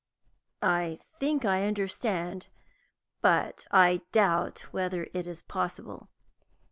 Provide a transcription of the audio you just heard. "I think I understand, but I doubt whether it is possible."